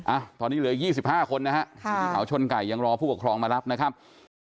อ่ะตอนนี้เหลืออีก๒๕คนนะครับข่าวชนไก่ยังรอผู้กับครองมารับนะครับ